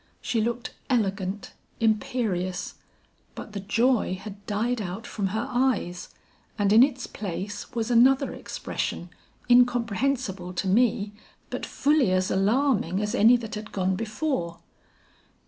She looked elegant, imperious, but the joy had died out from her eyes, and in its place was another expression incomprehensible to me, but fully as alarming as any that had gone before.